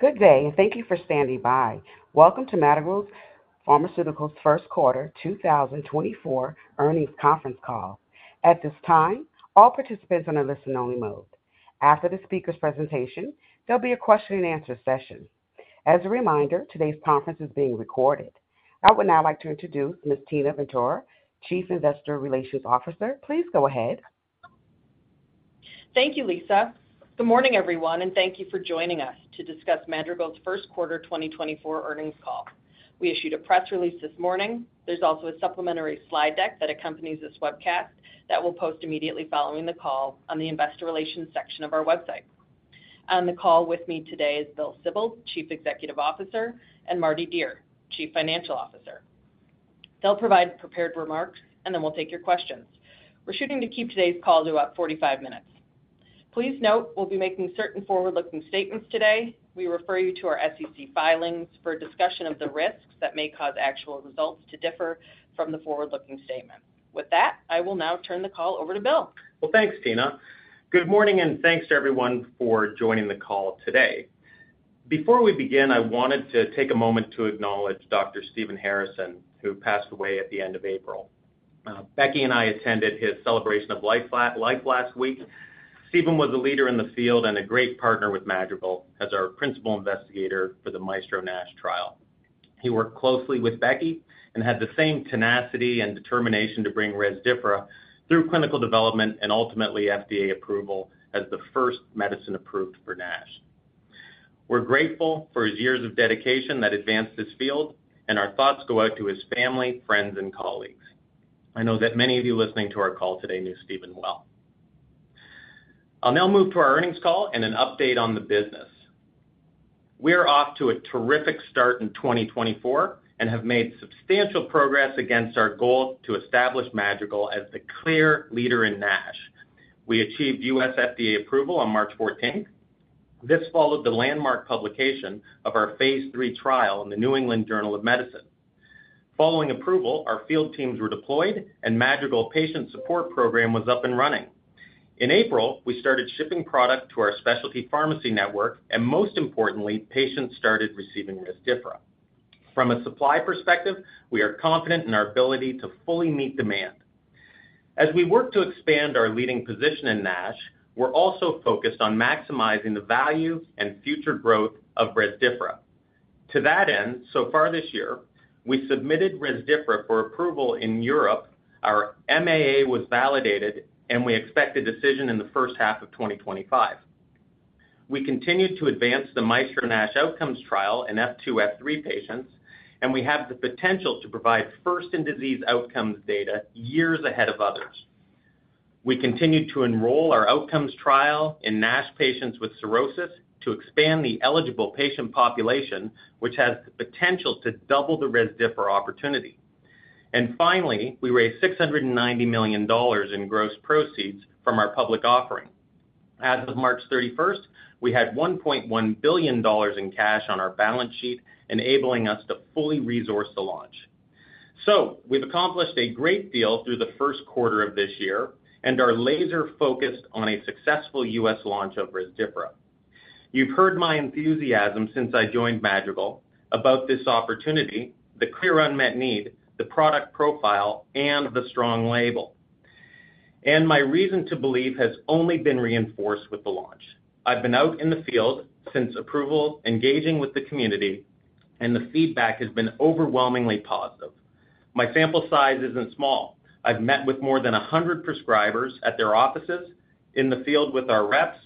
Good day, and thank you for standing by. Welcome to Madrigal Pharmaceuticals first quarter 2024 earnings conference call. At this time, all participants are in a listen-only mode. After the speaker's presentation, there'll be a question-and-answer session. As a reminder, today's conference is being recorded. I would now like to introduce Ms. Tina Ventura, Chief Investor Relations Officer. Please go ahead. Thank you, Lisa. Good morning, everyone, and thank you for joining us to discuss Madrigal's first quarter 2024 earnings call. We issued a press release this morning. There's also a supplementary slide deck that accompanies this webcast that we'll post immediately following the call on the Investor Relations section of our website. On the call with me today is Bill Sibold, Chief Executive Officer, and Mardi Dier, Chief Financial Officer. They'll provide prepared remarks, and then we'll take your questions. We're shooting to keep today's call to about 45 minutes. Please note, we'll be making certain forward-looking statements today. We refer you to our SEC filings for a discussion of the risks that may cause actual results to differ from the forward-looking statements. With that, I will now turn the call over to Bill. Well, thanks, Tina. Good morning, and thanks to everyone for joining the call today. Before we begin, I wanted to take a moment to acknowledge Dr. Stephen Harrison, who passed away at the end of April. Becky and I attended his celebration of life last week. Stephen was a leader in the field and a great partner with Madrigal as our principal investigator for the MAESTRO-NASH trial. He worked closely with Becky and had the same tenacity and determination to bring Rezdiffra through clinical development and ultimately FDA approval as the first medicine approved for NASH. We're grateful for his years of dedication that advanced his field, and our thoughts go out to his family, friends, and colleagues. I know that many of you listening to our call today knew Stephen well. I'll now move to our earnings call and an update on the business. We are off to a terrific start in 2024 and have made substantial progress against our goal to establish Madrigal as the clear leader in NASH. We achieved U.S. FDA approval on March 14. This followed the landmark publication of our phase III trial in the New England Journal of Medicine. Following approval, our field teams were deployed, and Madrigal Patient Support program was up and running. In April, we started shipping product to our specialty pharmacy network, and most importantly, patients started receiving Rezdiffra. From a supply perspective, we are confident in our ability to fully meet demand. As we work to expand our leading position in NASH, we're also focused on maximizing the value and future growth of Rezdiffra. To that end, so far this year, we submitted Rezdiffra for approval in Europe, our MAA was validated, and we expect a decision in the first half of 2025. We continued to advance the MAESTRO-NASH Outcomes trial in F2/F3 patients, and we have the potential to provide first-in-disease outcomes data years ahead of others. We continued to enroll our outcomes trial in NASH patients with cirrhosis to expand the eligible patient population, which has the potential to double the Rezdiffra opportunity. Finally, we raised $690 million in gross proceeds from our public offering. As of March 31st, we had $1.1 billion in cash on our balance sheet, enabling us to fully resource the launch. We've accomplished a great deal through the first quarter of this year and are laser-focused on a successful U.S. launch of Rezdiffra. You've heard my enthusiasm since I joined Madrigal about this opportunity, the clear unmet need, the product profile, and the strong label. My reason to believe has only been reinforced with the launch. I've been out in the field since approval, engaging with the community, and the feedback has been overwhelmingly positive. My sample size isn't small. I've met with more than 100 prescribers at their offices, in the field with our reps,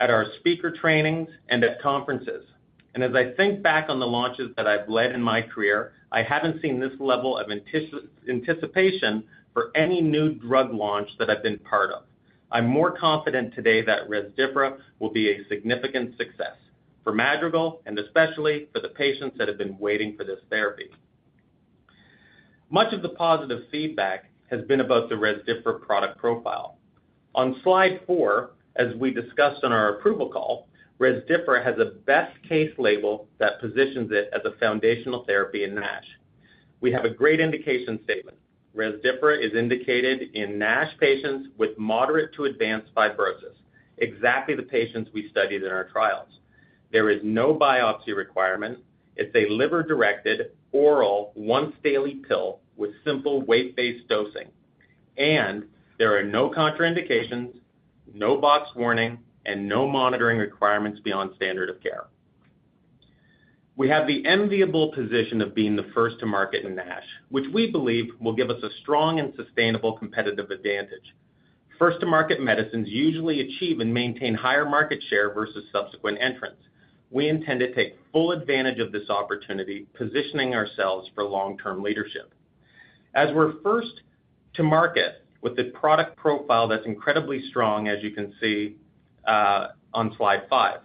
at our speaker trainings, and at conferences. As I think back on the launches that I've led in my career, I haven't seen this level of anticipation for any new drug launch that I've been part of. I'm more confident today that Rezdiffra will be a significant success for Madrigal and especially for the patients that have been waiting for this therapy. Much of the positive feedback has been about the Rezdiffra product profile. On slide four, as we discussed on our approval call, Rezdiffra has a best-case label that positions it as a foundational therapy in NASH. We have a great indication statement, Rezdiffra is indicated in NASH patients with moderate to advanced fibrosis, exactly the patients we studied in our trials. There is no biopsy requirement. It's a liver-directed, oral, once-daily pill with simple weight-based dosing. There are no contraindications, no box warning, and no monitoring requirements beyond standard of care. We have the enviable position of being the first to market in NASH, which we believe will give us a strong and sustainable competitive advantage. First-to-market medicines usually achieve and maintain higher market share versus subsequent entrants. We intend to take full advantage of this opportunity, positioning ourselves for long-term leadership. As we're first to market with a product profile that's incredibly strong, as you can see on slide five,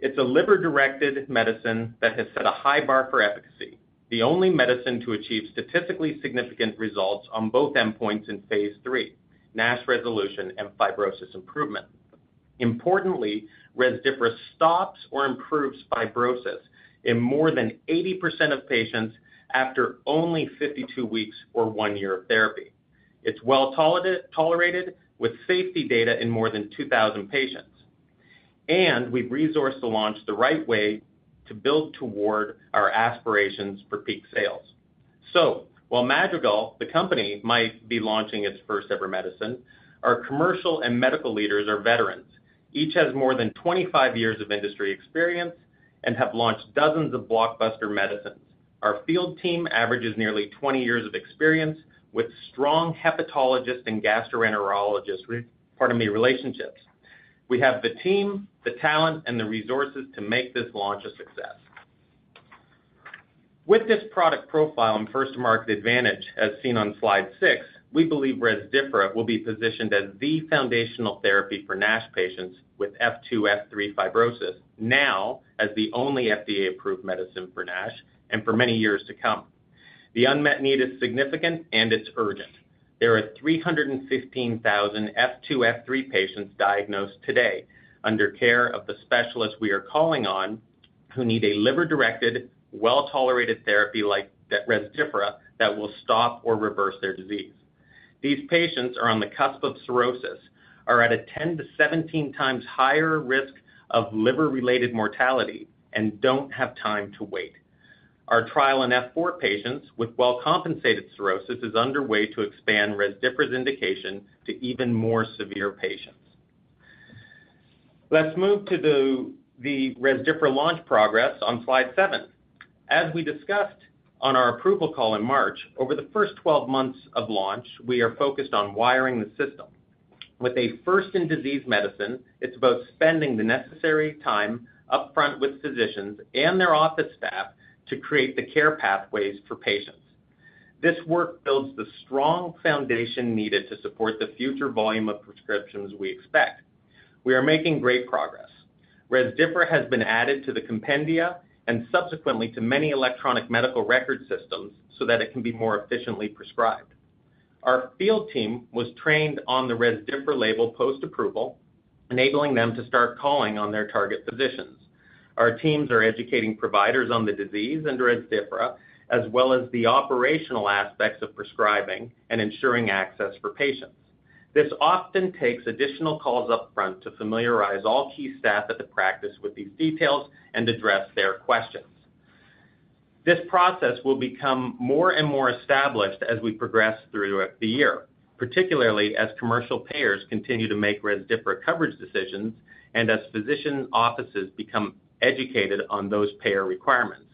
it's a liver-directed medicine that has set a high bar for efficacy, the only medicine to achieve statistically significant results on both endpoints in phase III, NASH resolution and fibrosis improvement. Importantly, Rezdiffra stops or improves fibrosis in more than 80% of patients after only 52 weeks or one year of therapy. It's well-tolerated with safety data in more than 2,000 patients. We've resourced the launch the right way to build toward our aspirations for peak sales. While Madrigal, the company, might be launching its first-ever medicine, our commercial and medical leaders are veterans. Each has more than 25 years of industry experience and have launched dozens of blockbuster medicines. Our field team averages nearly 20 years of experience with strong hepatologist and gastroenterologist relationships. We have the team, the talent, and the resources to make this launch a success. With this product profile and first-to-market advantage, as seen on slide six, we believe Rezdiffra will be positioned as the foundational therapy for NASH patients with F2/F3 fibrosis, now as the only FDA-approved medicine for NASH and for many years to come. The unmet need is significant, and it's urgent. There are 315,000 F2/F3 patients diagnosed today under care of the specialists we are calling on who need a liver-directed, well-tolerated therapy like Rezdiffra that will stop or reverse their disease. These patients are on the cusp of cirrhosis, are at a 10-17 times higher risk of liver-related mortality, and don't have time to wait. Our trial in F4 patients with well-compensated cirrhosis is underway to expand Rezdiffra's indication to even more severe patients. Let's move to the Rezdiffra launch progress on slide seven. As we discussed on our approval call in March, over the first 12 months of launch, we are focused on wiring the system. With a first-in-disease medicine, it's about spending the necessary time upfront with physicians and their office staff to create the care pathways for patients. This work builds the strong foundation needed to support the future volume of prescriptions we expect. We are making great progress. Rezdiffra has been added to the compendia and subsequently to many electronic medical record systems so that it can be more efficiently prescribed. Our field team was trained on the Rezdiffra label post-approval, enabling them to start calling on their target physicians. Our teams are educating providers on the disease and Rezdiffra, as well as the operational aspects of prescribing and ensuring access for patients. This often takes additional calls upfront to familiarize all key staff at the practice with these details and address their questions. This process will become more and more established as we progress through the year, particularly as commercial payers continue to make Rezdiffra coverage decisions and as physician offices become educated on those payer requirements.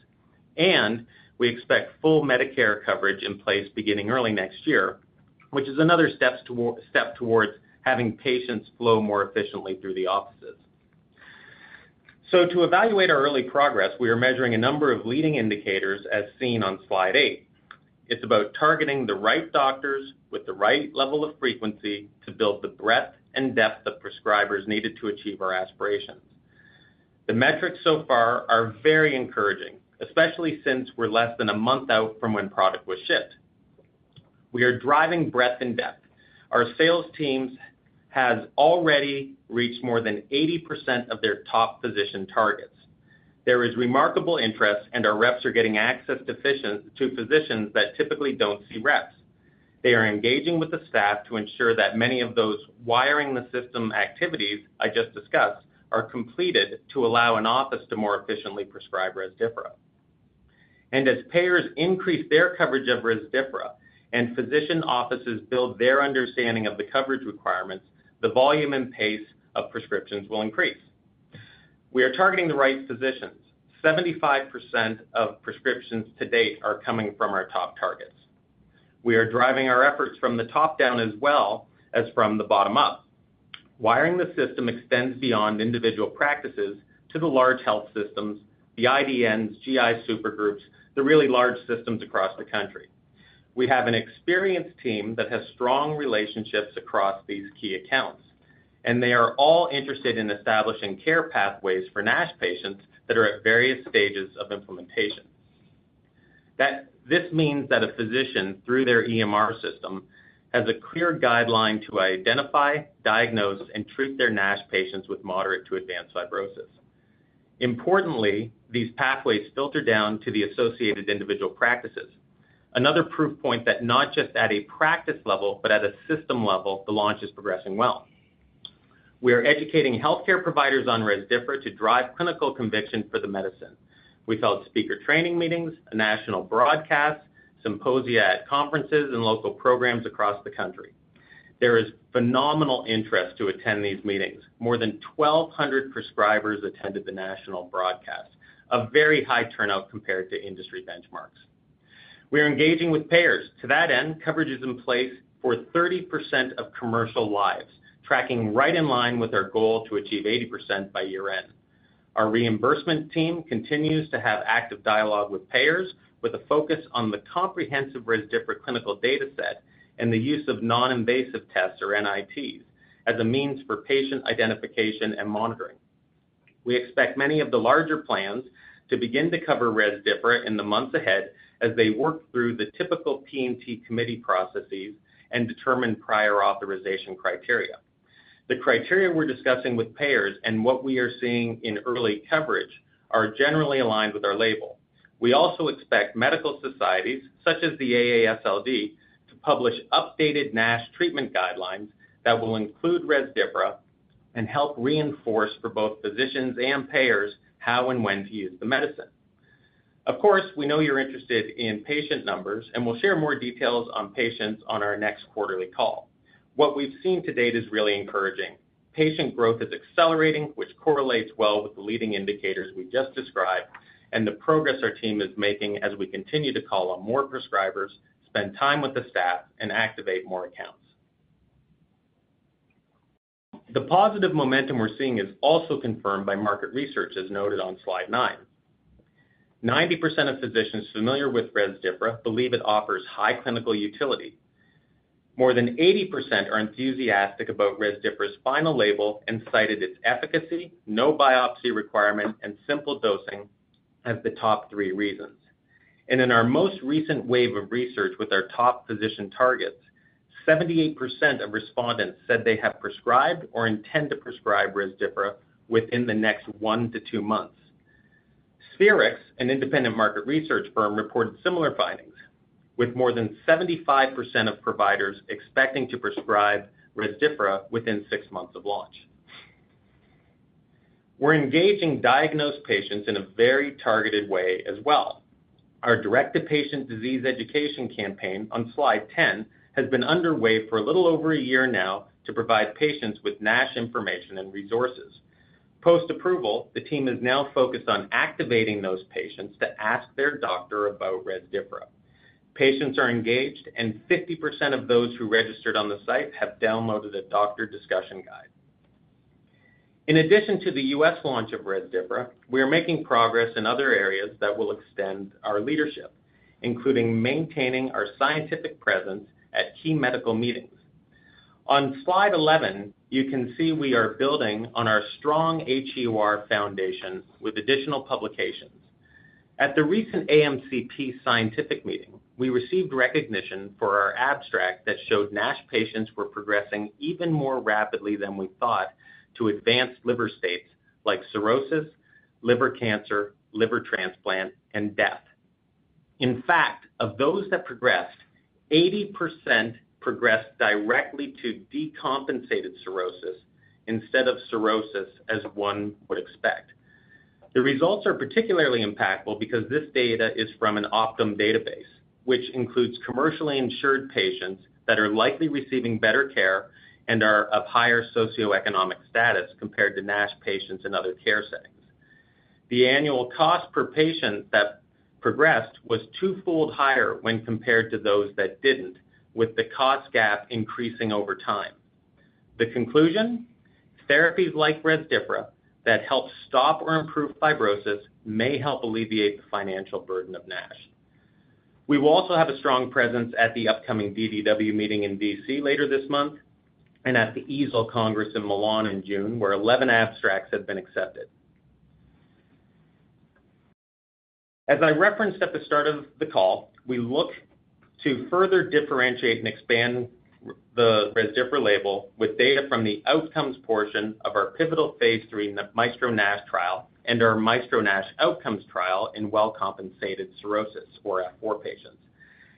We expect full Medicare coverage in place beginning early next year, which is another step towards having patients flow more efficiently through the offices. To evaluate our early progress, we are measuring a number of leading indicators, as seen on slide eight. It's about targeting the right doctors with the right level of frequency to build the breadth and depth of prescribers needed to achieve our aspirations. The metrics so far are very encouraging, especially since we're less than a month out from when product was shipped. We are driving breadth and depth. Our sales team has already reached more than 80% of their top physician targets. There is remarkable interest, and our reps are getting access to physicians that typically don't see reps. They are engaging with the staff to ensure that many of those wiring-the-system activities I just discussed are completed to allow an office to more efficiently prescribe Rezdiffra. As payers increase their coverage of Rezdiffra and physician offices build their understanding of the coverage requirements, the volume and pace of prescriptions will increase. We are targeting the right physicians. 75% of prescriptions to date are coming from our top targets. We are driving our efforts from the top down as well as from the bottom up. Wiring-the-system extends beyond individual practices to the large health systems, the IDNs, GI super groups, the really large systems across the country. We have an experienced team that has strong relationships across these key accounts, and they are all interested in establishing care pathways for NASH patients that are at various stages of implementation. This means that a physician, through their EMR system, has a clear guideline to identify, diagnose, and treat their NASH patients with moderate to advanced fibrosis. Importantly, these pathways filter down to the associated individual practices, another proof point that not just at a practice level but at a system level, the launch is progressing well. We are educating healthcare providers on Rezdiffra to drive clinical conviction for the medicine. We've held speaker training meetings, a national broadcast, symposia at conferences, and local programs across the country. There is phenomenal interest to attend these meetings. More than 1,200 prescribers attended the national broadcast, a very high turnout compared to industry benchmarks. We are engaging with payers. To that end, coverage is in place for 30% of commercial lives, tracking right in line with our goal to achieve 80% by year-end. Our reimbursement team continues to have active dialogue with payers, with a focus on the comprehensive Rezdiffra clinical data set and the use of non-invasive tests, or NITs, as a means for patient identification and monitoring. We expect many of the larger plans to begin to cover Rezdiffra in the months ahead as they work through the typical P&T committee processes and determine prior authorization criteria. The criteria we're discussing with payers and what we are seeing in early coverage are generally aligned with our label. We also expect medical societies, such as the AASLD, to publish updated NASH treatment guidelines that will include Rezdiffra and help reinforce for both physicians and payers how and when to use the medicine. Of course, we know you're interested in patient numbers, and we'll share more details on patients on our next quarterly call. What we've seen to date is really encouraging. Patient growth is accelerating, which correlates well with the leading indicators we just described and the progress our team is making as we continue to call on more prescribers, spend time with the staff, and activate more accounts. The positive momentum we're seeing is also confirmed by market research, as noted on slide nine. 90% of physicians familiar with Rezdiffra believe it offers high clinical utility. More than 80% are enthusiastic about Rezdiffra's final label and cited its efficacy, no biopsy requirement, and simple dosing as the top three reasons. In our most recent wave of research with our top physician targets, 78% of respondents said they have prescribed or intend to prescribe Rezdiffra within the next one to two months. Spherix, an independent market research firm, reported similar findings, with more than 75% of providers expecting to prescribe Rezdiffra within six months of launch. We're engaging diagnosed patients in a very targeted way as well. Our direct-to-patient disease education campaign on slide 10 has been underway for a little over a year now to provide patients with NASH information and resources. Post-approval, the team is now focused on activating those patients to ask their doctor about Rezdiffra. Patients are engaged, and 50% of those who registered on the site have downloaded a doctor discussion guide. In addition to the U.S. launch of Rezdiffra, we are making progress in other areas that will extend our leadership, including maintaining our scientific presence at key medical meetings. On slide 11, you can see we are building on our strong HEOR foundation with additional publications. At the recent AMCP scientific meeting, we received recognition for our abstract that showed NASH patients were progressing even more rapidly than we thought to advanced liver states like cirrhosis, liver cancer, liver transplant, and death. In fact, of those that progressed, 80% progressed directly to decompensated cirrhosis instead of cirrhosis as one would expect. The results are particularly impactful because this data is from an Optum database, which includes commercially insured patients that are likely receiving better care and are of higher socioeconomic status compared to NASH patients in other care settings. The annual cost per patient that progressed was two fold higher when compared to those that didn't, with the cost gap increasing over time. The conclusion? Therapies like Rezdiffra that help stop or improve fibrosis may help alleviate the financial burden of NASH. We will also have a strong presence at the upcoming DDW meeting in D.C. later this month and at the EASL Congress in Milan in June, where 11 abstracts have been accepted. As I referenced at the start of the call, we look to further differentiate and expand the Rezdiffra label with data from the outcomes portion of our pivotal phase III MAESTRO-NASH trial and our MAESTRO-NASH Outcomes trial in well-compensated cirrhosis, or F4, patients.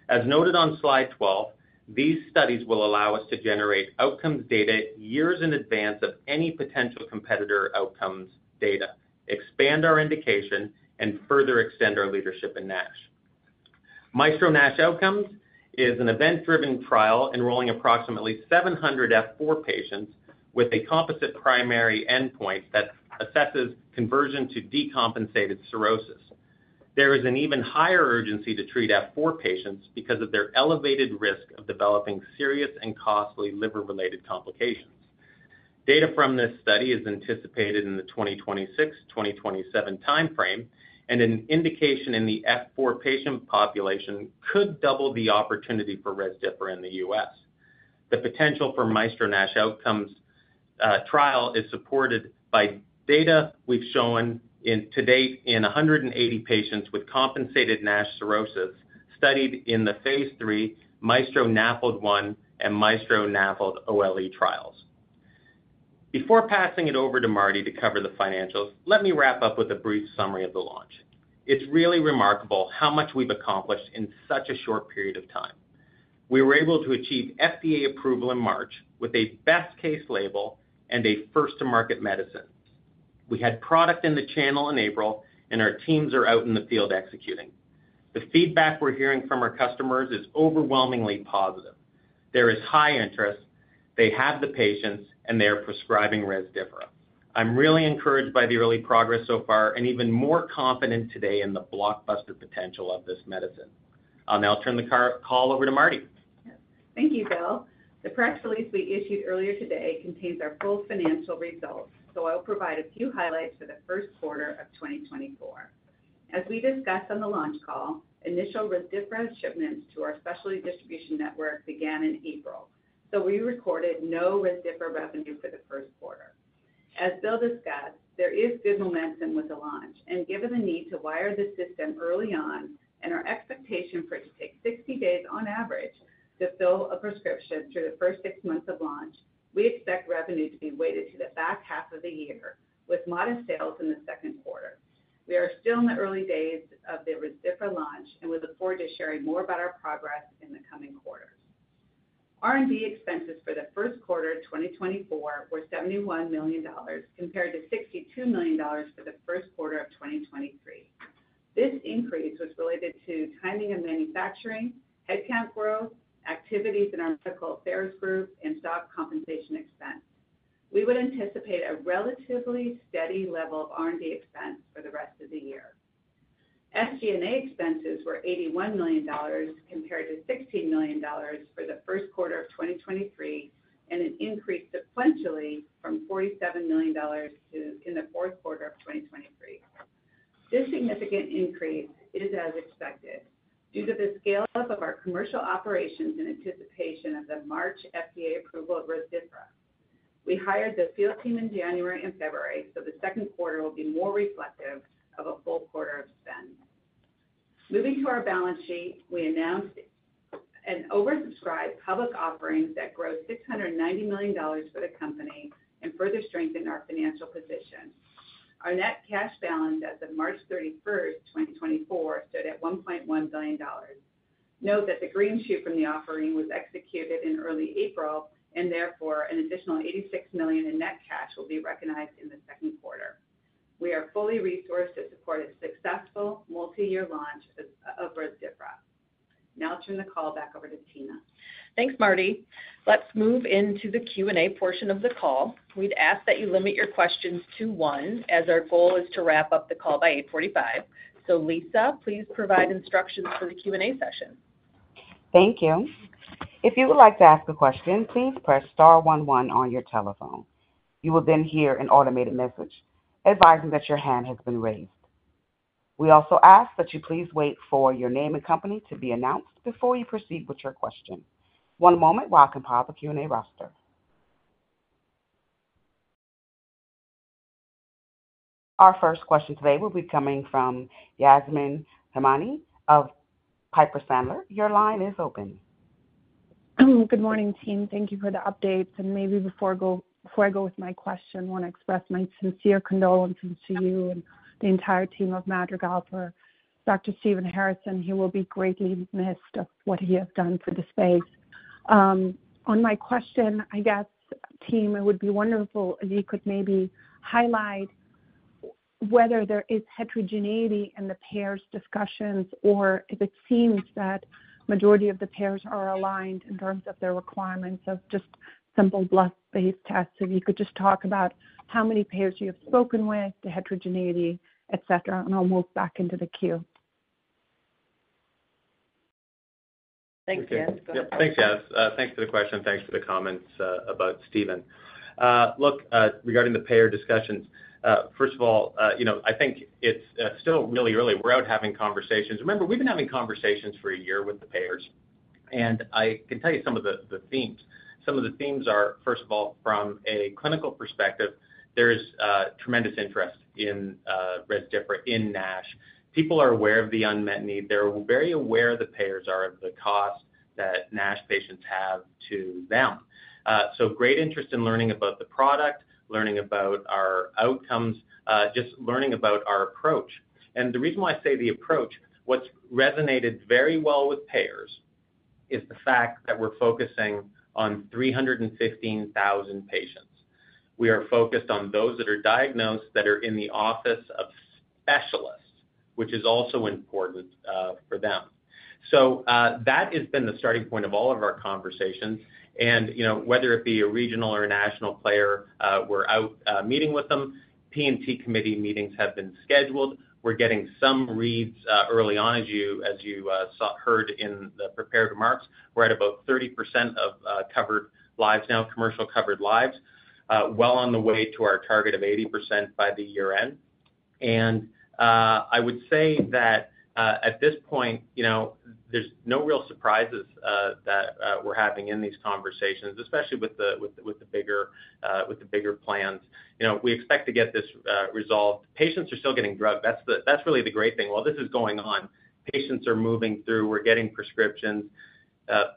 As noted on slide 12, these studies will allow us to generate outcomes data years in advance of any potential competitor outcomes data, expand our indication, and further extend our leadership in NASH. MAESTRO-NASH Outcomes is an event-driven trial enrolling approximately 700 F4 patients with a composite primary endpoint that assesses conversion to decompensated cirrhosis. There is an even higher urgency to treat F4 patients because of their elevated risk of developing serious and costly liver-related complications. Data from this study is anticipated in the 2026-2027 time frame, and an indication in the F4 patient population could double the opportunity for Rezdiffra in the U.S. The potential for MAESTRO-NASH Outcomes trial is supported by data we've shown to date in 180 patients with compensated NASH cirrhosis studied in the phase III MAESTRO-NAFLD-1 and MAESTRO-NAFLD-OLE trials. Before passing it over to Mardi to cover the financials, let me wrap up with a brief summary of the launch. It's really remarkable how much we've accomplished in such a short period of time. We were able to achieve FDA approval in March with a best-case label and a first-to-market medicine. We had product in the channel in April, and our teams are out in the field executing. The feedback we're hearing from our customers is overwhelmingly positive. There is high interest. They have the patients, and they are prescribing Rezdiffra. I'm really encouraged by the early progress so far and even more confident today in the blockbuster potential of this medicine. Now I'll turn the call over to Mardi. Thank you, Bill. The press release we issued earlier today contains our full financial results, so I'll provide a few highlights for the first quarter of 2024. As we discussed on the launch call, initial Rezdiffra shipments to our specialty distribution network began in April, so we recorded no Rezdiffra revenue for the first quarter. As Bill discussed, there is good momentum with the launch, and given the need to wire the system early on and our expectation for it to take 60 days on average to fill a prescription through the first six months of launch, we expect revenue to be weighted to the back half of the year, with modest sales in the second quarter. We are still in the early days of the Rezdiffra launch, and we look forward to sharing more about our progress in the coming quarters. R&D expenses for the first quarter of 2024 were $71 million compared to $62 million for the first quarter of 2023. This increase was related to timing of manufacturing, headcount growth, activities in our medical affairs group, and stock compensation expense. We would anticipate a relatively steady level of R&D expense for the rest of the year. SG&A expenses were $81 million compared to $16 million for the first quarter of 2023 and increased sequentially from $47 million in the fourth quarter of 2023. This significant increase is as expected due to the scale-up of our commercial operations in anticipation of the March FDA approval of Rezdiffra. We hired the field team in January and February, so the second quarter will be more reflective of a full quarter of spend. Moving to our balance sheet, we announced an oversubscribed public offering that grossed $690 million for the company and further strengthened our financial position. Our net cash balance as of March 31st, 2024, stood at $1.1 billion. Note that the greenshoe from the offering was executed in early April, and therefore an additional $86 million in net cash will be recognized in the second quarter. We are fully resourced to support a successful multi-year launch of Rezdiffra. Now I'll turn the call back over to Tina. Thanks, Mardi. Let's move into the Q&A portion of the call. We'd ask that you limit your questions to one as our goal is to wrap up the call by 8:45 A.M. So, Lisa, please provide instructions for the Q&A session. Thank you. If you would like to ask a question, please press star one one on your telephone. You will then hear an automated message advising that your hand has been raised. We also ask that you please wait for your name and company to be announced before you proceed with your question. One moment while I compile the Q&A roster. Our first question today will be coming from Yasmeen Rahimi of Piper Sandler. Your line is open. Good morning, team. Thank you for the updates. And maybe before I go with my question, I want to express my sincere condolences to you and the entire team of Madrigal for Dr. Stephen Harrison. He will be greatly missed for what he has done for the space. On my question, I guess, team, it would be wonderful if you could maybe highlight whether there is heterogeneity in the payers' discussions or if it seems that the majority of the payers are aligned in terms of their requirements of just simple blood-based tests. If you could just talk about how many payers you have spoken with, the heterogeneity, etc., and I'll move back into the queue. Thanks, Yas. Go ahead. Yep. Thanks, Yas. Thanks for the question. Thanks for the comments about Stephen. Look, regarding the payer discussions, first of all, I think it's still really early. We're out having conversations. Remember, we've been having conversations for a year with the payers, and I can tell you some of the themes. Some of the themes are, first of all, from a clinical perspective, there is tremendous interest in Rezdiffra, in NASH. People are aware of the unmet need. They're very aware the payers are of the cost that NASH patients have to them. So great interest in learning about the product, learning about our outcomes, just learning about our approach. And the reason why I say the approach, what's resonated very well with payers is the fact that we're focusing on 315,000 patients. We are focused on those that are diagnosed that are in the office of specialists, which is also important for them. So that has been the starting point of all of our conversations. Whether it be a regional or a national player, we're out meeting with them. P&T committee meetings have been scheduled. We're getting some reads early on, as you heard in the prepared remarks. We're at about 30% of covered lives now, commercial covered lives, well on the way to our target of 80% by the year-end. I would say that at this point, there's no real surprises that we're having in these conversations, especially with the bigger plans. We expect to get this resolved. Patients are still getting drugs. That's really the great thing. While this is going on, patients are moving through. We're getting prescriptions.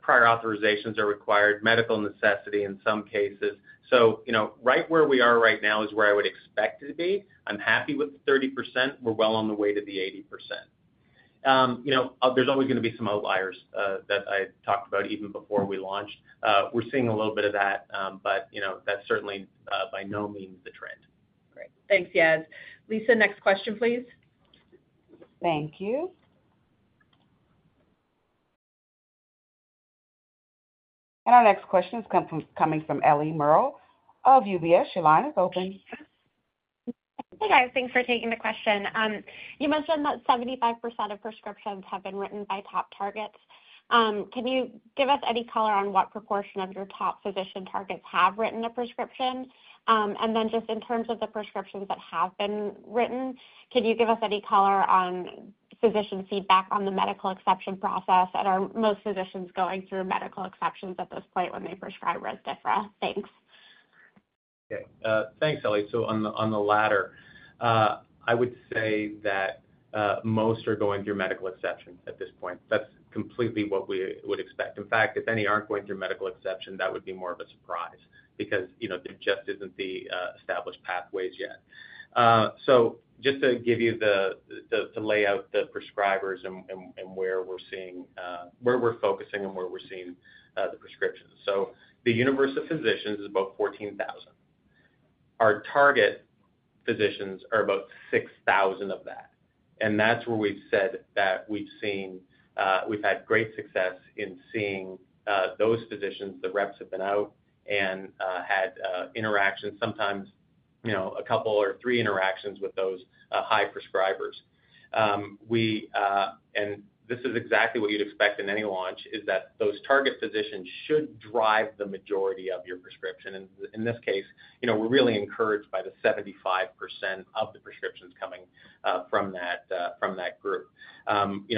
Prior authorizations are required, medical necessity in some cases. Right where we are right now is where I would expect it to be. I'm happy with the 30%. We're well on the way to the 80%. There's always going to be some outliers that I talked about even before we launched. We're seeing a little bit of that, but that's certainly by no means the trend. Great. Thanks, Yas. Lisa, next question, please. Thank you. And our next question is coming from Ellie Merle of UBS. Your line is open. Hey, guys. Thanks for taking the question. You mentioned that 75% of prescriptions have been written by top targets. Can you give us any color on what proportion of your top physician targets have written a prescription? And then just in terms of the prescriptions that have been written, can you give us any color on physician feedback on the medical exception process? And are most physicians going through medical exceptions at this point when they prescribe Rezdiffra? Thanks. Okay. Thanks, Ellie. So on the latter, I would say that most are going through medical exceptions at this point. That's completely what we would expect. In fact, if any aren't going through medical exception, that would be more of a surprise because there just isn't the established pathways yet. So just to give you the to lay out the prescribers and where we're focusing and where we're seeing the prescriptions. So the universe of physicians is about 14,000. Our target physicians are about 6,000 of that. And that's where we've said that we've had great success in seeing those physicians. The reps have been out and had interactions, sometimes a couple or three interactions with those high prescribers. And this is exactly what you'd expect in any launch, is that those target physicians should drive the majority of your prescription. In this case, we're really encouraged by the 75% of the prescriptions coming from that group.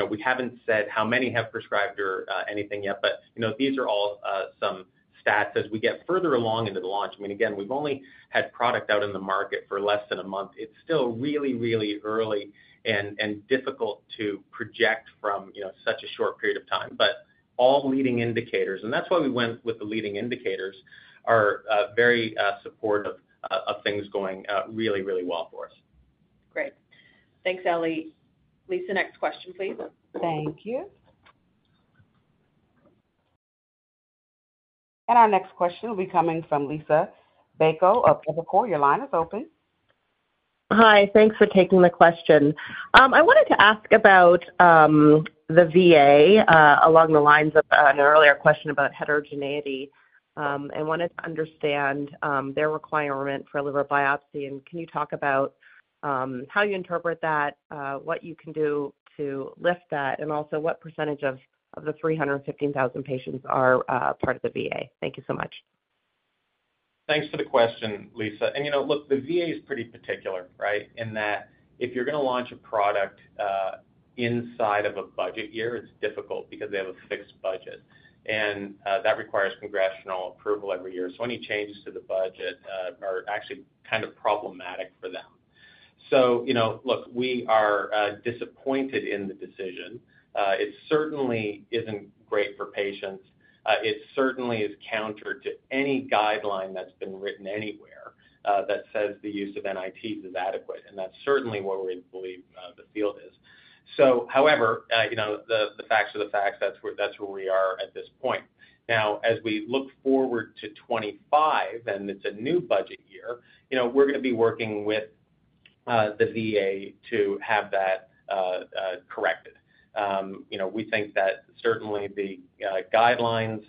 We haven't said how many have prescribed or anything yet, but these are all some stats as we get further along into the launch. I mean, again, we've only had product out in the market for less than a month. It's still really, really early and difficult to project from such a short period of time. But all leading indicators and that's why we went with the leading indicators are very supportive of things going really, really well for us. Great. Thanks, Ellie. Lisa, next question, please. Thank you. And our next question will be coming from Liisa Bayko of Evercore. Your line is open. Hi. Thanks for taking my question. I wanted to ask about the VA along the lines of an earlier question about heterogeneity and wanted to understand their requirement for a liver biopsy. And can you talk about how you interpret that, what you can do to lift that, and also what percentage of the 315,000 patients are part of the VA? Thank you so much. Thanks for the question, Liisa. And look, the VA is pretty particular, right, in that if you're going to launch a product inside of a budget year, it's difficult because they have a fixed budget. And that requires congressional approval every year. So any changes to the budget are actually kind of problematic for them. So look, we are disappointed in the decision. It certainly isn't great for patients. It certainly is counter to any guideline that's been written anywhere that says the use of NITs is adequate. That's certainly what we believe the field is. So however, the facts are the facts. That's where we are at this point. Now, as we look forward to 2025 and it's a new budget year, we're going to be working with the VA to have that corrected. We think that certainly the guidelines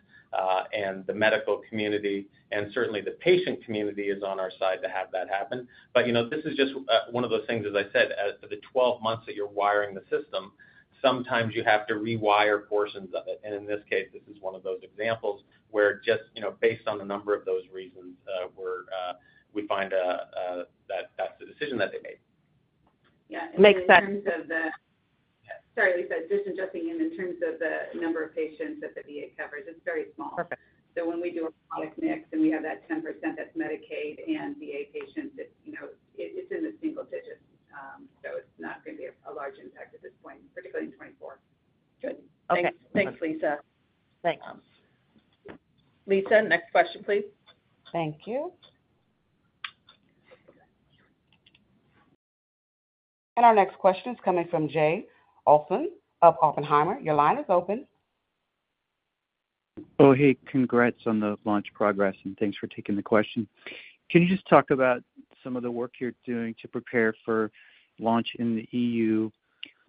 and the medical community and certainly the patient community is on our side to have that happen. But this is just one of those things, as I said, for the 12 months that you're wiring the system, sometimes you have to rewire portions of it. And in this case, this is one of those examples where just based on the number of those reasons, we find that that's the decision that they made. Yeah. And in terms of the, sorry, Liisa. Just adjusting in terms of the number of patients that the VA covers, it's very small. So when we do a product mix and we have that 10% that's Medicaid and VA patients, it's in the single digits. So it's not going to be a large impact at this point, particularly in 2024. Good. Thanks, Liisa. Thanks. Lisa, next question, please. Thank you. And our next question is coming from Jay Olson of Oppenheimer. Your line is open. Oh, hey. Congrats on the launch progress, and thanks for taking the question. Can you just talk about some of the work you're doing to prepare for launch in the EU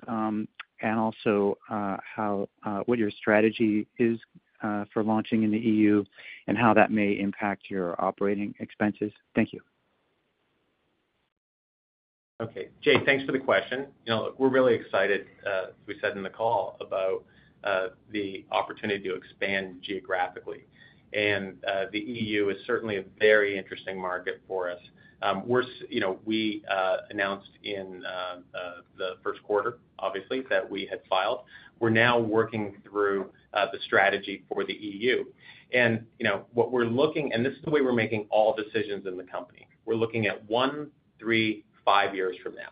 and also what your strategy is for launching in the EU and how that may impact your operating expenses? Thank you. Okay. Jay, thanks for the question. Look, we're really excited, as we said in the call, about the opportunity to expand geographically. The EU is certainly a very interesting market for us. We announced in the first quarter, obviously, that we had filed. We're now working through the strategy for the EU. What we're looking and this is the way we're making all decisions in the company. We're looking at one, three, five years from now.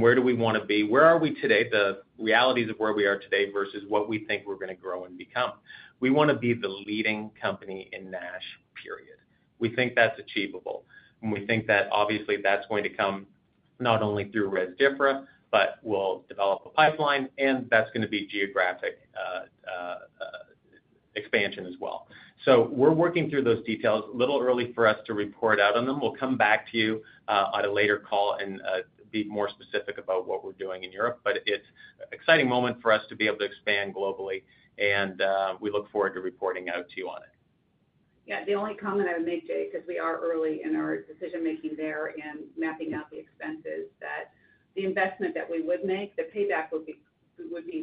Where do we want to be? Where are we today, the realities of where we are today versus what we think we're going to grow and become? We want to be the leading company in NASH, period. We think that's achievable. We think that, obviously, that's going to come not only through Rezdiffra but we'll develop a pipeline, and that's going to be geographic expansion as well. We're working through those details. A little early for us to report out on them. We'll come back to you on a later call and be more specific about what we're doing in Europe. But it's an exciting moment for us to be able to expand globally, and we look forward to reporting out to you on it. Yeah. The only comment I would make, Jay, because we are early in our decision-making there and mapping out the expenses, that the investment that we would make, the payback would be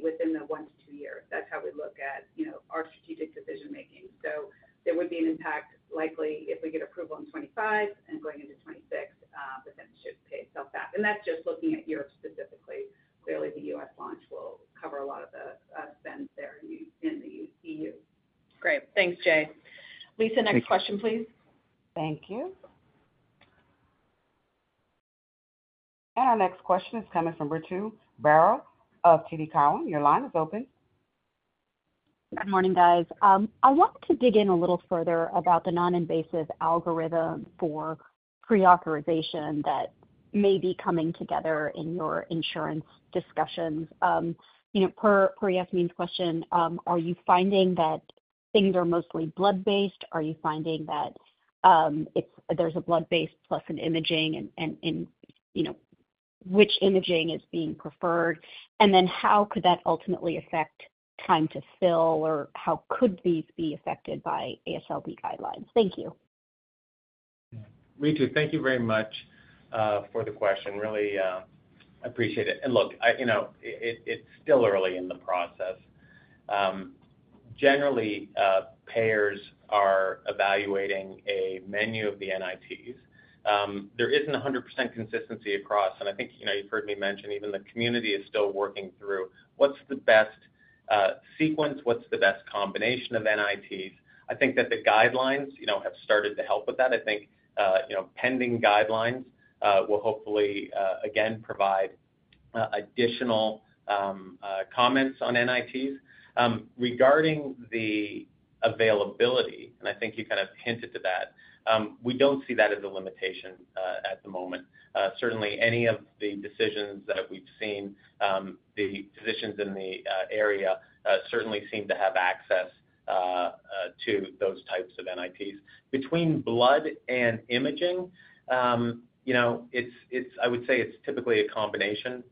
within the one to two years. That's how we look at our strategic decision-making. So there would be an impact likely if we get approval in 2025 and going into 2026, but then it should pay itself back. And that's just looking at Europe specifically. Clearly, the U.S. launch will cover a lot of the spend there in the EU. Great. Thanks, Jay. Lisa, next question, please. Thank you. Our next question is coming from Ritu Baral of TD Cowen. Your line is open. Good morning, guys. I wanted to dig in a little further about the non-invasive algorithm for pre-authorization that may be coming together in your insurance discussions. Per Yasmeen's question, are you finding that things are mostly blood-based? Are you finding that there's a blood-based plus an imaging, and which imaging is being preferred? And then how could that ultimately affect time to fill, or how could these be affected by AASLD guidelines? Thank you. Ritu, thank you very much for the question. Really appreciate it. Look, it's still early in the process. Generally, payers are evaluating a menu of the NITs. There isn't 100% consistency across. I think you've heard me mention even the community is still working through what's the best sequence, what's the best combination of NITs. I think that the guidelines have started to help with that. I think pending guidelines will hopefully, again, provide additional comments on NITs. Regarding the availability - and I think you kind of hinted to that - we don't see that as a limitation at the moment. Certainly, any of the decisions that we've seen, the physicians in the area certainly seem to have access to those types of NITs. Between blood and imaging, I would say it's typically a combination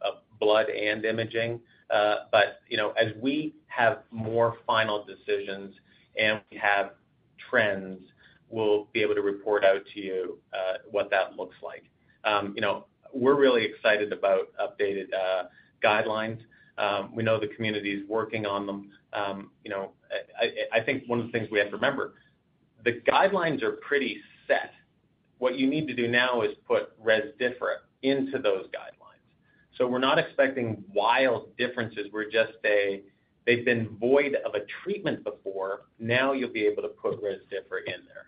of blood and imaging. But as we have more final decisions and we have trends, we'll be able to report out to you what that looks like. We're really excited about updated guidelines. We know the community's working on them. I think one of the things we have to remember, the guidelines are pretty set. What you need to do now is put Rezdiffra into those guidelines. So we're not expecting wild differences. We're just say they've been devoid of a treatment before. Now you'll be able to put Rezdiffra in there.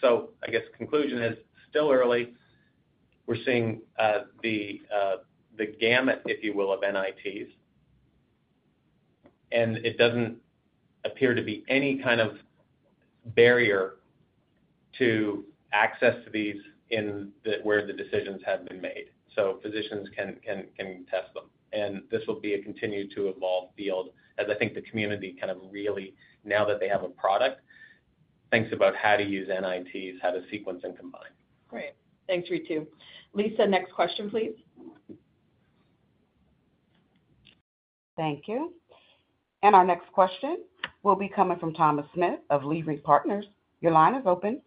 So I guess conclusion is still early. We're seeing the gamut, if you will, of NITs. And it doesn't appear to be any kind of barrier to access to these where the decisions have been made. So physicians can test them. And this will be a continued to evolve field as I think the community kind of really, now that they have a product, thinks about how to use NITs, how to sequence and combine. Great. Thanks, Ritu. Lisa, next question, please. Thank you. And our next question will be coming from Thomas Smith of Leerink Partners. Your line is open.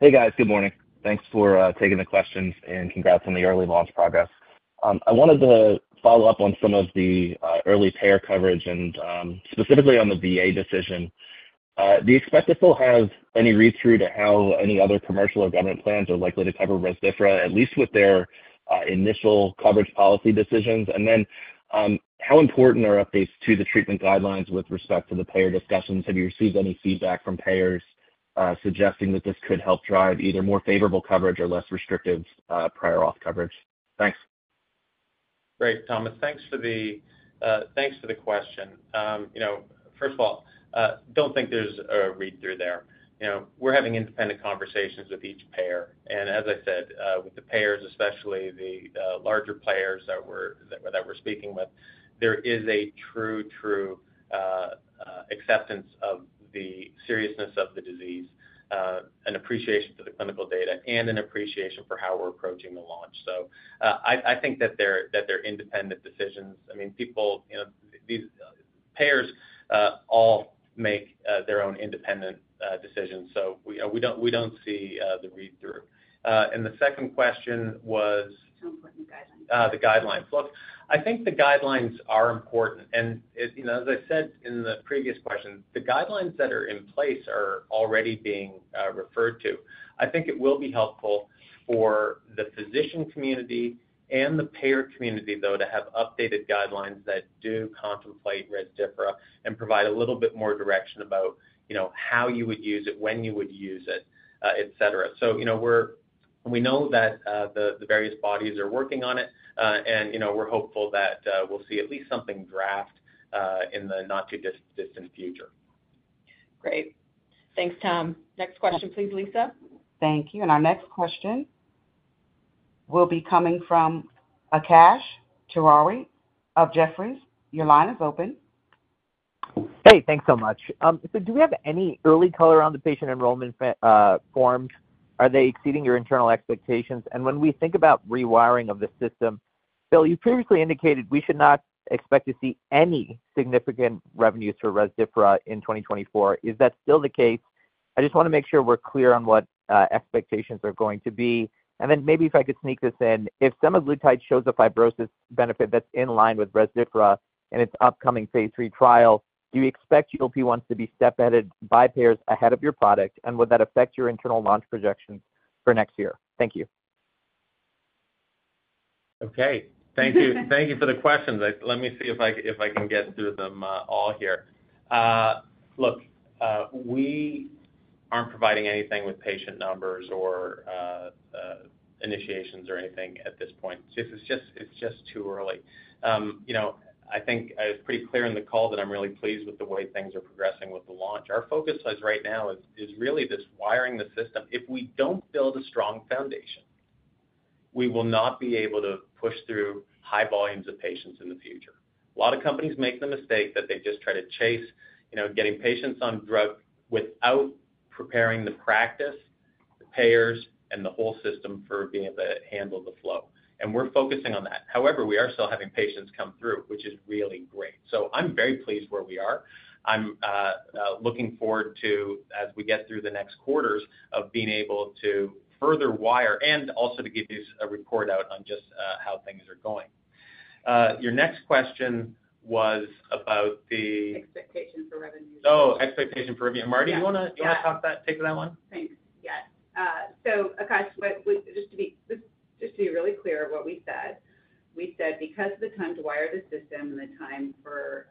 Hey, guys. Good morning. Thanks for taking the questions, and congrats on the early launch progress. I wanted to follow up on some of the early payer coverage and specifically on the VA decision. Do you expect this to have any read-through to how any other commercial or government plans are likely to cover Rezdiffra, at least with their initial coverage policy decisions? And then how important are updates to the treatment guidelines with respect to the payer discussions? Have you received any feedback from payers suggesting that this could help drive either more favorable coverage or less restrictive prior auth coverage? Thanks. Great, Thomas. Thanks for the question. First of all, don't think there's a read-through there. We're having independent conversations with each payer. As I said, with the payers, especially the larger players that we're speaking with, there is a true, true acceptance of the seriousness of the disease, an appreciation for the clinical data, and an appreciation for how we're approaching the launch. So I think that they're independent decisions. I mean, people these payers all make their own independent decisions. So we don't see the read-through. And the second question was, how important are the guidelines? The guidelines. Look, I think the guidelines are important. And as I said in the previous question, the guidelines that are in place are already being referred to. I think it will be helpful for the physician community and the payer community, though, to have updated guidelines that do contemplate Rezdiffra and provide a little bit more direction about how you would use it, when you would use it, etc. So we know that the various bodies are working on it, and we're hopeful that we'll see at least something draft in the not-too-distant future. Great. Thanks, Tom. Next question, please, Lisa. Thank you. And our next question will be coming from Akash Tewari of Jefferies. Your line is open. Hey. Thanks so much. So do we have any early color on the patient enrollment forms? Are they exceeding your internal expectations? And when we think about rewiring of the system Bill, you previously indicated we should not expect to see any significant revenues for Rezdiffra in 2024. Is that still the case? I just want to make sure we're clear on what expectations are going to be. And then maybe if I could sneak this in, if semaglutide shows a fibrosis benefit that's in line with Rezdiffra and its upcoming phase III trial, do you expect GLP-1s to be step-edited by payers ahead of your product, and would that affect your internal launch projections for next year? Thank you. Okay. Thank you for the questions. Let me see if I can get through them all here. Look, we aren't providing anything with patient numbers or initiations or anything at this point. It's just too early. I think I was pretty clear in the call that I'm really pleased with the way things are progressing with the launch. Our focus right now is really just wiring the system. If we don't build a strong foundation, we will not be able to push through high volumes of patients in the future. A lot of companies make the mistake that they just try to chase getting patients on drug without preparing the practice, the payers, and the whole system for being able to handle the flow. We're focusing on that. However, we are still having patients come through, which is really great. I'm very pleased where we are. I'm looking forward to, as we get through the next quarters, being able to further wire and also to give you a report out on just how things are going. Your next question was about the expectation for revenues. Oh, expectation for revenue. Mardi, do you want to take that one? Thanks. Yes. So Akash, just to be really clear of what we said, we said because of the time to wire the system and the time for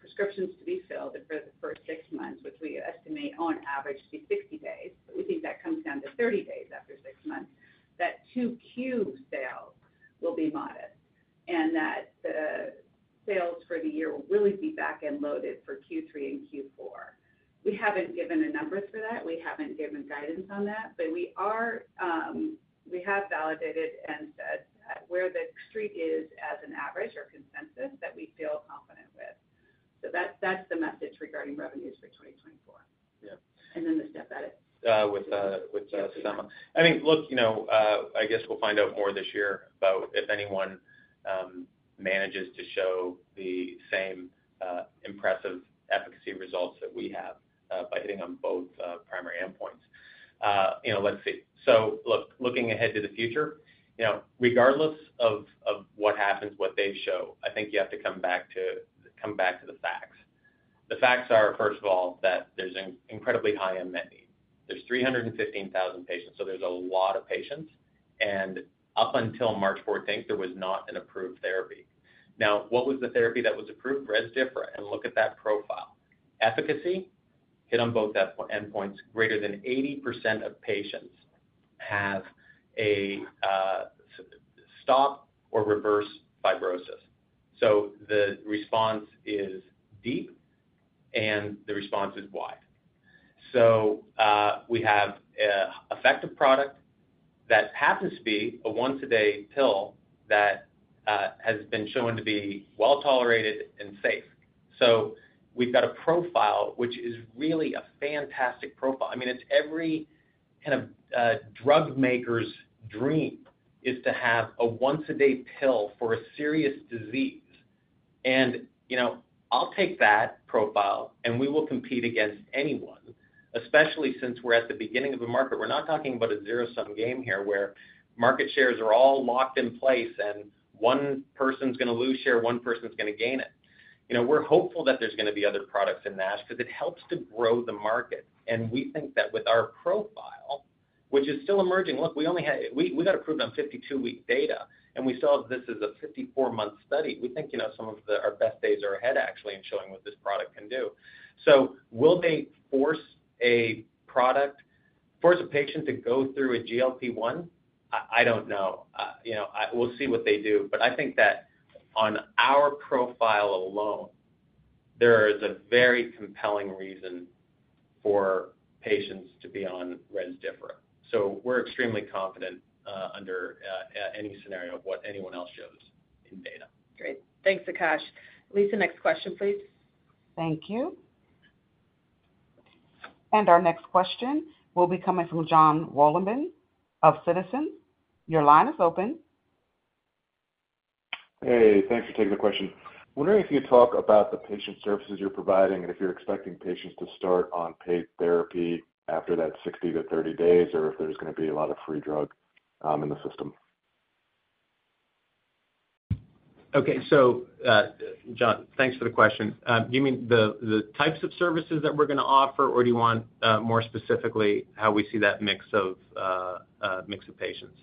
prescriptions to be filled for the first six months, which we estimate on average to be 60 days, but we think that comes down to 30 days after six months, that 2Q sales will be modest and that the sales for the year will really be back-loaded for Q3 and Q4. We haven't given the numbers for that. We haven't given guidance on that. But we have validated and said where the street is as an average or consensus that we feel confident with. So that's the message regarding revenues for 2024 and then the step-edits. With semaglutide. I mean, look, I guess we'll find out more this year about if anyone manages to show the same impressive efficacy results that we have by hitting on both primary endpoints. Let's see. So look, looking ahead to the future, regardless of what happens, what they show, I think you have to come back to the facts. The facts are, first of all, that there's an incredibly high unmet need. There's 315,000 patients. So there's a lot of patients. And up until March 14, there was not an approved therapy. Now, what was the therapy that was approved? Rezdiffra. And look at that profile. Efficacy, hit on both endpoints. Greater than 80% of patients have a stop or reverse fibrosis. So the response is deep, and the response is wide. We have an effective product that happens to be a once-a-day pill that has been shown to be well-tolerated and safe. We've got a profile which is really a fantastic profile. I mean, it's every kind of drugmaker's dream is to have a once-a-day pill for a serious disease. I'll take that profile, and we will compete against anyone, especially since we're at the beginning of the market. We're not talking about a zero-sum game here where market shares are all locked in place and one person's going to lose share, one person's going to gain it. We're hopeful that there's going to be other products in NASH because it helps to grow the market. We think that with our profile, which is still emerging look, we got approved on 52-week data, and we still have this as a 54-month study. We think some of our best days are ahead, actually, in showing what this product can do. So will they force a product force a patient to go through a GLP-1? I don't know. We'll see what they do. But I think that on our profile alone, there is a very compelling reason for patients to be on Rezdiffra. So we're extremely confident under any scenario of what anyone else shows in data. Great. Thanks, Akash. Lisa, next question, please. Thank you. Our next question will be coming from Jon Wolleben of Citizens. Your line is open. Hey. Thanks for taking the question. Wondering if you could talk about the patient services you're providing and if you're expecting patients to start on paid therapy after that 60-30 days or if there's going to be a lot of free drug in the system. Okay. So Jon, thanks for the question. Do you mean the types of services that we're going to offer, or do you want more specifically how we see that mix of patients?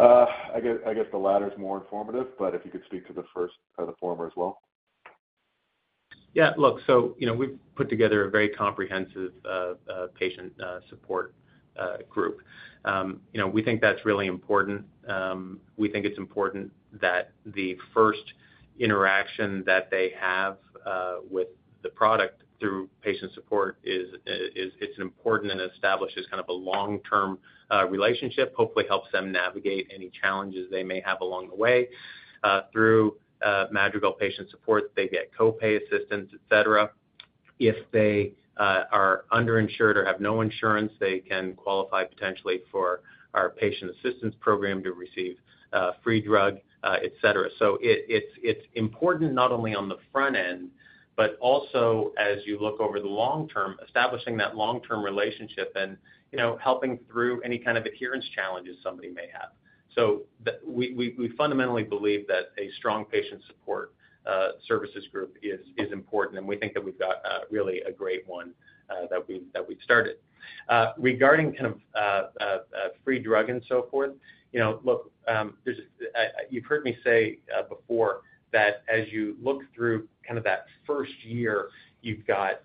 I guess the latter is more informative, but if you could speak to the former as well. Yeah. Look, so we've put together a very comprehensive patient support group. We think that's really important. We think it's important that the first interaction that they have with the product through patient support is it's important and establishes kind of a long-term relationship, hopefully helps them navigate any challenges they may have along the way. Through Madrigal Patient Support, they get copay assistance, etc. If they are underinsured or have no insurance, they can qualify potentially for our patient assistance program to receive free drug, etc. So it's important not only on the front end but also, as you look over the long term, establishing that long-term relationship and helping through any kind of adherence challenges somebody may have. So we fundamentally believe that a strong patient support services group is important, and we think that we've got really a great one that we've started. Regarding kind of free drug and so forth, look, you've heard me say before that as you look through kind of that first year, you've got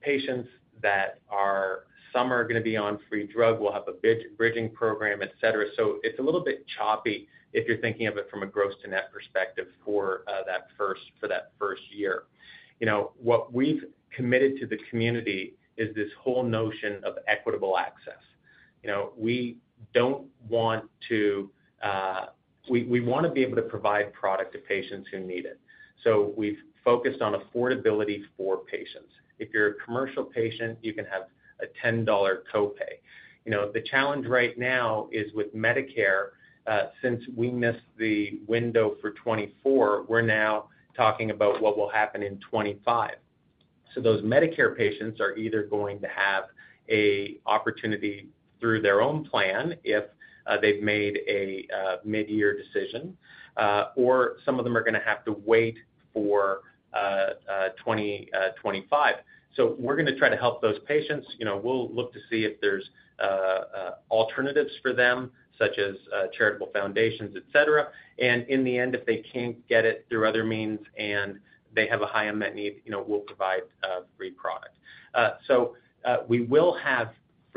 patients that are some are going to be on free drug, will have a bridging program, etc. So it's a little bit choppy if you're thinking of it from a gross-to-net perspective for that first year. What we've committed to the community is this whole notion of equitable access. We want to be able to provide product to patients who need it. We've focused on affordability for patients. If you're a commercial patient, you can have a $10 copay. The challenge right now is with Medicare, since we missed the window for 2024, we're now talking about what will happen in 2025. Those Medicare patients are either going to have an opportunity through their own plan if they've made a midyear decision or some of them are going to have to wait for 2025. We're going to try to help those patients. We'll look to see if there's alternatives for them, such as charitable foundations, etc. In the end, if they can't get it through other means and they have a high unmet need, we'll provide free product. We will have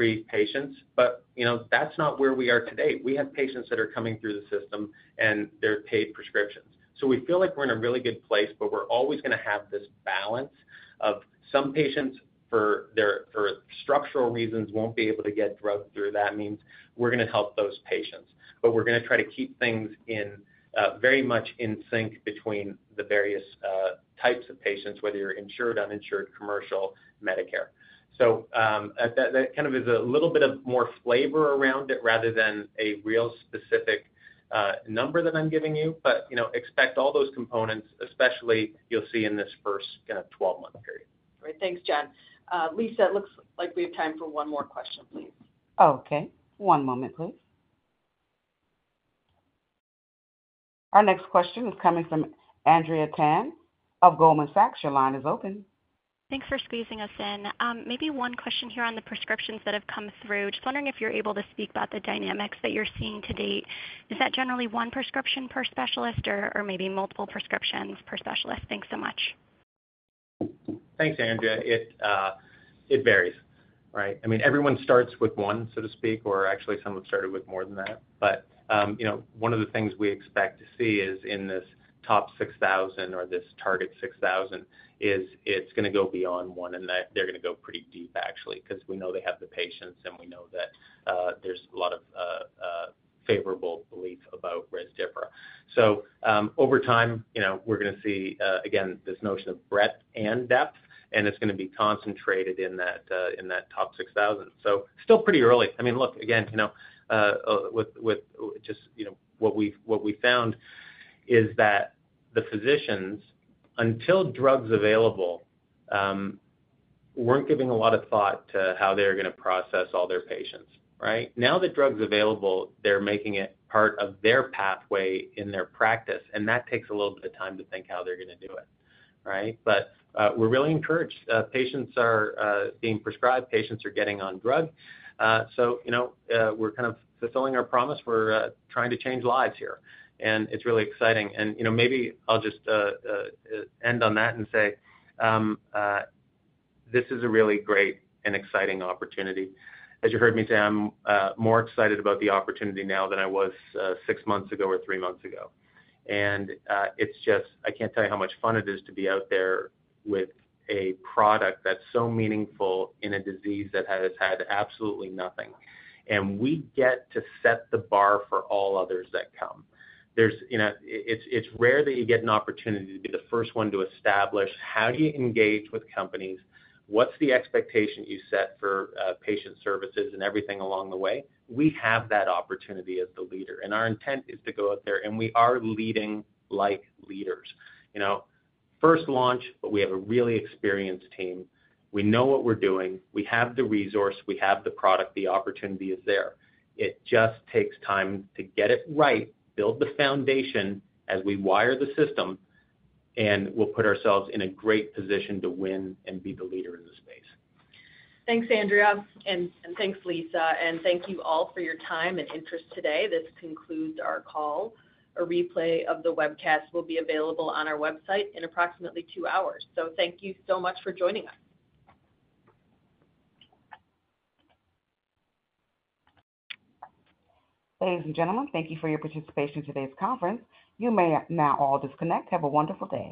free patients, but that's not where we are today. We have patients that are coming through the system, and they're paid prescriptions. So we feel like we're in a really good place, but we're always going to have this balance of some patients, for structural reasons, won't be able to get drug through that means. We're going to help those patients. But we're going to try to keep things very much in sync between the various types of patients, whether you're insured, uninsured, commercial, Medicare. So that kind of is a little bit of more flavor around it rather than a real specific number that I'm giving you. But expect all those components, especially you'll see in this first kind of 12-month period. Great. Thanks, Jon. Lisa, it looks like we have time for one more question, please. Okay. One moment, please. Our next question is coming from Andrea Tan of Goldman Sachs. Your line is open. Thanks for squeezing us in. Maybe one question here on the prescriptions that have come through. Just wondering if you're able to speak about the dynamics that you're seeing to date. Is that generally one prescription per specialist or maybe multiple prescriptions per specialist? Thanks so much. Thanks, Andrea. It varies, right? I mean, everyone starts with one, so to speak, or actually, some have started with more than that. But one of the things we expect to see is in this top 6,000 or this target 6,000 is it's going to go beyond one, and they're going to go pretty deep, actually, because we know they have the patients, and we know that there's a lot of favorable belief about Rezdiffra. So over time, we're going to see, again, this notion of breadth and depth, and it's going to be concentrated in that top 6,000. So still pretty early. I mean, look, again, with just what we found is that the physicians, until drug's available, weren't giving a lot of thought to how they're going to process all their patients, right? Now that drug's available, they're making it part of their pathway in their practice, and that takes a little bit of time to think how they're going to do it, right? But we're really encouraged. Patients are being prescribed. Patients are getting on drug. So we're kind of fulfilling our promise. We're trying to change lives here, and it's really exciting. And maybe I'll just end on that and say this is a really great and exciting opportunity. As you heard me say, I'm more excited about the opportunity now than I was six months ago or three months ago. I can't tell you how much fun it is to be out there with a product that's so meaningful in a disease that has had absolutely nothing. We get to set the bar for all others that come. It's rare that you get an opportunity to be the first one to establish how do you engage with companies? What's the expectation you set for patient services and everything along the way? We have that opportunity as the leader. Our intent is to go out there, and we are leading like leaders. First launch, but we have a really experienced team. We know what we're doing. We have the resource. We have the product. The opportunity is there. It just takes time to get it right, build the foundation as we wire the system, and we'll put ourselves in a great position to win and be the leader in the space. Thanks, Andrea. And thanks, Lisa. And thank you all for your time and interest today. This concludes our call. A replay of the webcast will be available on our website in approximately two hours. So thank you so much for joining us. Ladies and gentlemen, thank you for your participation in today's conference. You may now all disconnect. Have a wonderful day.